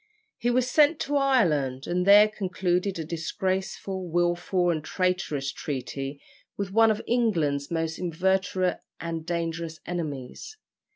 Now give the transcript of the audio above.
He was sent to Ireland, and there concluded a disgraceful, wilful, and traitorous treaty with one of England's most inveterate and dangerous enemies.